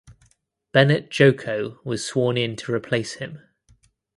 Bennet Joko was sworn in to replace him.